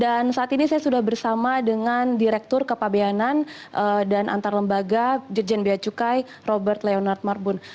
dan saat ini saya sudah bersama dengan direktur kepabeanan dan antar lembaga dirjen bea cukai robert leonard marbun